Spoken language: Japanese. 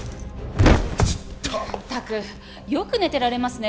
ちょっとまったくよく寝てられますね